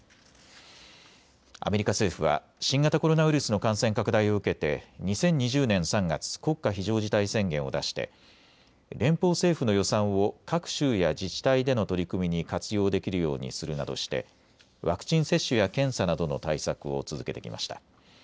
アメリカ政府は新型コロナウイルスの感染拡大を受けて２０２０年３月、国家非常事態宣言を出して連邦政府の予算を各州や自治体での取り組みに活用できるようにするなどしてワクチン接種や検査などの対策を続けてきました。